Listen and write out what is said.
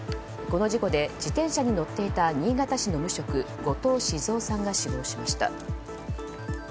この事故で自転車に乗っていた新潟市の無職後藤静雄さんが死亡しました。